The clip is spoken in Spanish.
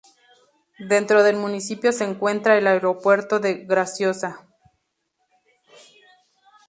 Dentro del municipio se encuentra el aeropuerto de Graciosa.